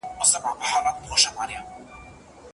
د ږیري خاوند ډنډ ته د چاڼ ماشین وړی و.